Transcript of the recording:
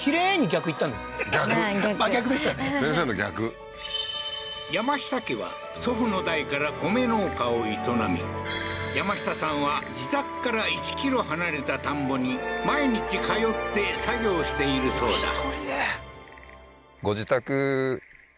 逆真逆でしたね先生の逆山下家は祖父の代から米農家を営み山下さんは自宅から１ｋｍ離れた田んぼに毎日通って作業しているそうだ